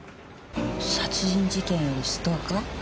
殺人事件よりストーカー？